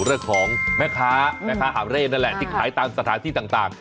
เรื่องของแม่ค้าแม่ค้าหาบเร่นั่นแหละที่ขายตามสถานที่ต่าง